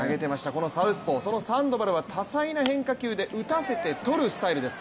このサウスポー、そのサンドバルは多彩な変化球で打たせてとるスタイルです。